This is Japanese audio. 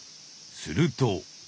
すると。